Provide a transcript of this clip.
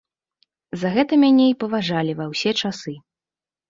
За гэта мяне і паважалі ва ўсе часы.